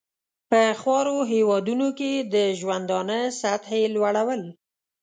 په خوارو هېوادونو کې د ژوندانه سطحې لوړول.